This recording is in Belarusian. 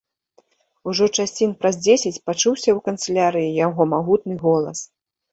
Ужо часін праз дзесяць пачуўся ў канцылярыі яго магутны голас.